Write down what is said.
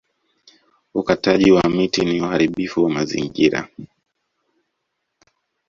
Ukataji wa miti ni uharibifu wa mazingira